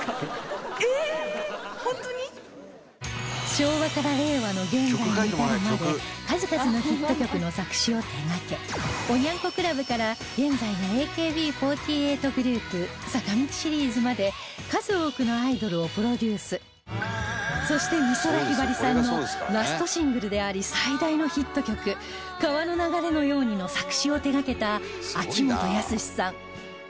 昭和から令和の現在に至るまで数々のヒット曲の作詞を手掛けおニャン子クラブから現在の ＡＫＢ４８ グループ坂道シリーズまでそして美空ひばりさんのラストシングルであり最大のヒット曲『川の流れのように』の作詞を手掛けた秋元康さん